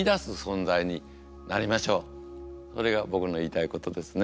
それが僕の言いたいことですね。